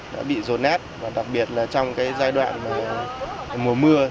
đã bị rồn nát và đặc biệt là trong giai đoạn mùa mưa